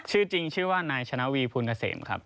ชื่อจริงชื่อว่านายชนะวีภูลเกษมครับ